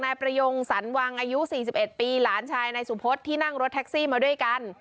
นายประโยงสันวังอายุสี่สิบเอ็ดปีหลานชายนายสุพธิ์ที่นั่งรถแท็กซี่มาด้วยกัน